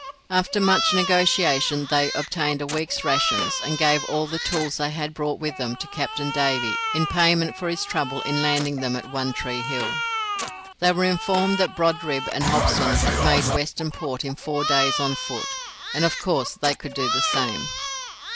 After much negotiation, they obtained a week's rations, and gave all the tools they had brought with them to Captain Davy in payment for his trouble in landing them at One Tree Hill. They were informed that Brodribb and Hobson had made Western Port in four days on foot, and of course they could do the same.